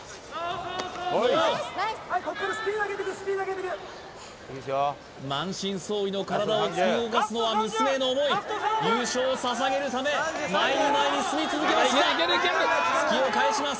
はいここからスピード上げてくスピード上げてく満身創痍の体を突き動かすのは娘への思い優勝を捧げるため前に前に進み続けます突きを返します